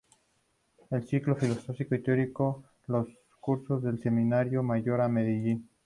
Los ciclos filosófico y teológico los cursó en el Seminario Mayor de Medellín.